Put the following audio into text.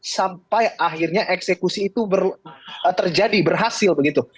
sampai akhirnya eksekusi itu terjadi berhasil begitu